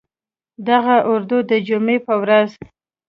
دغه ادارو د جمعې په ورځ